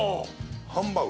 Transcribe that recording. ハンバーグ。